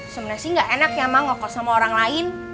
sebenernya sih gak enak ya mang ngokos sama orang lain